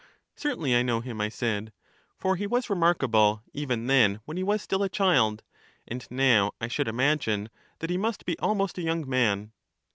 Certainly, I know him, I said, for he was remark able even then when he was still a child, and now I should imaginie that he must be almost a young man.